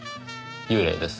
幽霊です。